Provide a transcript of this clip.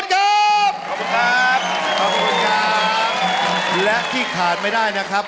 ขอบคุณนะครับท่านนายกสลวนครับ